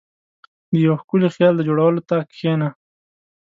• د یو ښکلي خیال د جوړولو ته کښېنه.